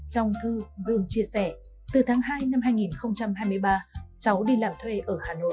trong thư dương chia sẻ từ tháng hai năm hai nghìn hai mươi ba cháu đi làm thuê ở hà nội